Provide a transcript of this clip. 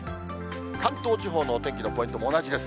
関東地方のお天気のポイントも同じです。